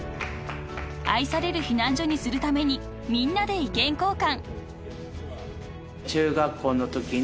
［愛される避難所にするためにみんなで意見交換］